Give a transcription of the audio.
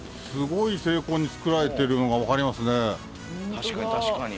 確かに確かに。